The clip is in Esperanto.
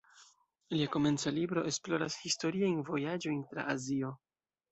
Lia komenca libro esploras historiajn vojaĝojn tra Azio.